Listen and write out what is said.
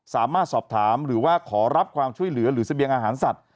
สามารถสอบถามหรือว่าขอรับความช่วยเหลือหรือเสบียงอาหารสัตว